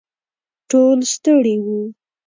ټول ستړي وو.